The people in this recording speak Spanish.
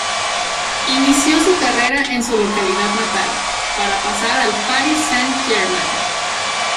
Inició su carrera en su localidad natal, para pasar al Paris Saint Germain.